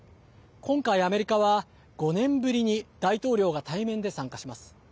今回アメリカは５年ぶりに大統領が対面で参加します。